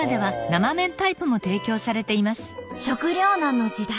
食糧難の時代